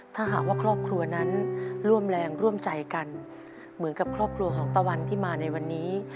ถ้าหากว่าครอบครัวนั้นร่วมแรงร่วมใจกันเหมือนกับครอบครัวของตะวันที่มาในวันนี้